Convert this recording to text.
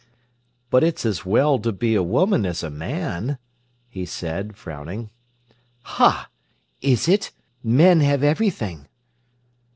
"But it's as well to be a woman as a man," he said, frowning. "Ha! Is it? Men have everything."